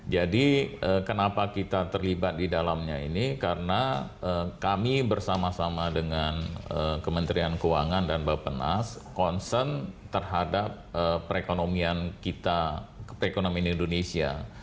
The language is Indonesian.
jadi kenapa kita terlibat di dalamnya ini karena kami bersama sama dengan kementerian keuangan dan bapak nas concern terhadap perekonomian kita perekonomian indonesia